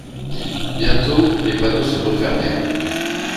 Bientôt les panneaux se refermèrent.